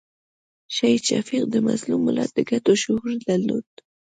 شهید شفیق د مظلوم ملت د ګټو شعور درلود.